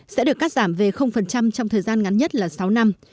sẽ được cắt giảm về trong thời gian ngắn nhất là sáu năm